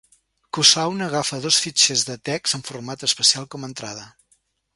Csound agafa dos fitxers de text amb format especial com a entrada.